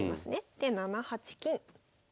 で７八金。